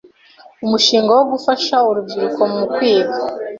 umushinga wo gufasha urubyiruko mu kwiga